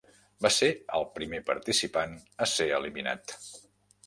Va ser el primer participant a ser eliminat.